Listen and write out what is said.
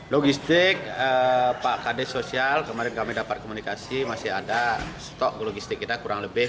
logistik pak kd sosial kemarin kami dapat komunikasi masih ada stok logistik kita kurang lebih